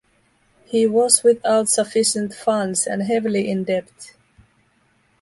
He was without sufficient funds and heavily in debt.